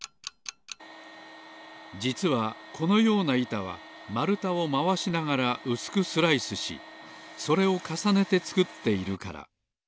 じつはこのようないたはまるたをまわしながらうすくスライスしそれをかさねてつくっているから。